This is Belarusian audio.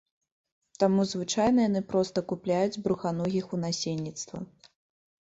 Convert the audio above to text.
Таму звычайна яны проста купляюць бруханогіх у насельніцтва.